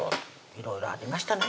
いろいろありましたね